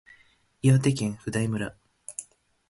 岩手県普代村